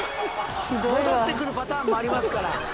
戻ってくるパターンもありますから。